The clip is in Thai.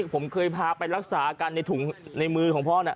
ผมเคยพาไปรักษากันในถุงในมือของพ่อนะ